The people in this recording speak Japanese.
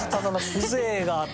風情があった。